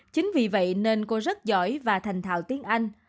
chính vì vậy nên cô rất giỏi và thành thạo tiếng anh